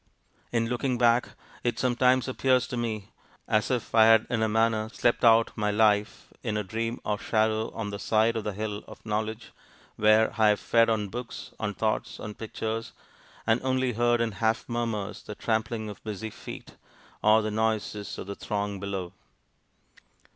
In looking back, it sometimes appears to me as if I had in a manner slept out my life in a dream or shadow on the side of the hill of knowledge, where I have fed on books, on thoughts, on pictures, and only heard in half murmurs the trampling of busy feet, or the noises of the throng below.